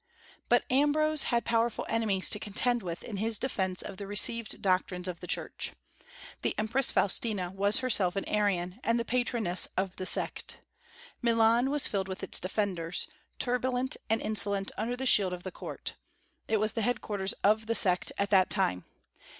But Ambrose had powerful enemies to contend with in his defence of the received doctrines of the Church. The Empress Faustina was herself an Arian, and the patroness of the sect. Milan was filled with its defenders, turbulent and insolent under the shield of the court. It was the headquarters of the sect at that time.